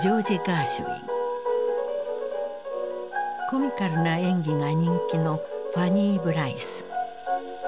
コミカルな演技が人気のファニー・ブライス。